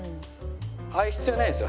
あれ必要ないですよ。